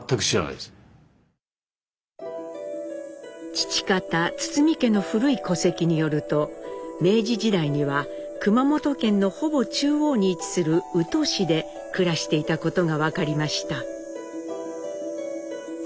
父方堤家の古い戸籍によると明治時代には熊本県のほぼ中央に位置する宇土市で暮らしていたことが分かりました。